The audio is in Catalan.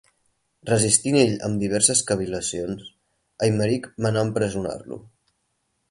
Resistint ell amb diverses cavil·lacions, Eimeric manà empresonar-lo.